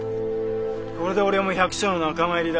これで俺も百姓の仲間入りだ。